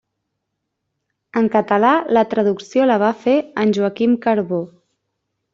En català la traducció la va fer en Joaquim Carbó.